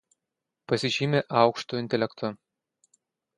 Pasižymi aukštu intelektu.